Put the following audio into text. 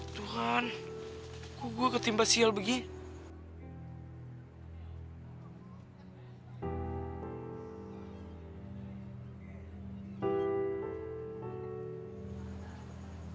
tuhan kok gua ketimpa sial begini